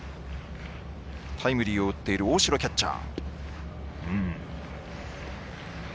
タイムリーを打っている大城キャッチャー。